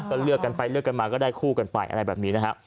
ก็เลือกกันไปเลือกกันมาก็ได้คู่กันไปอะไรแบบนี้นะฮะ